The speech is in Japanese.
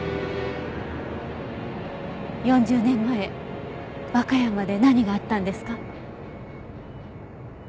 ４０年前和歌山で何があったんですか？